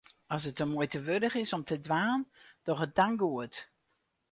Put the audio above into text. As it de muoite wurdich is om te dwaan, doch it dan goed.